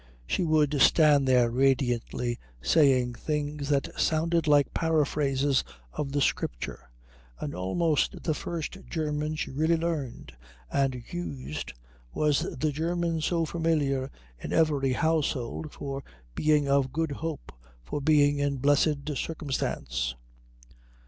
She would stand there radiantly saying things that sounded like paraphrases of the Scripture, and almost the first German she really learned and used was the German so familiar in every household for being of Good Hope, for being in Blessed Circumstance.